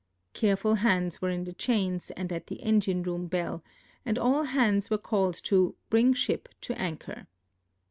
Careful hands were in the chains and at the engine room l)ell, and all hands were called to " bring ship to anchor."